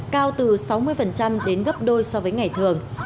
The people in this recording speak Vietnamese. cao từ sáu mươi đến gấp đôi so với ngày thường